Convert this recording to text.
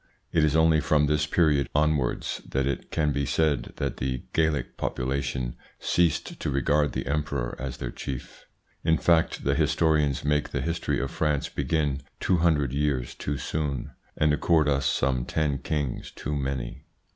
It is only from this period onwards that it can be said that the Gallic population ceased to regard the emperor as their chief. In fact, the historians make the history of France begin two hundred years too soon and accord us some ten kings too many.